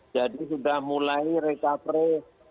jadi sudah mulai recovery